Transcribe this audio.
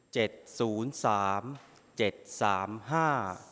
ศูนย์สามเจ็ดสามห้า